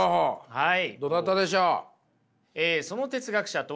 はい。